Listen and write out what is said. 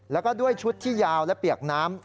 แล้วก็ด้วยชุดที่ยาวและเปียกน้ำ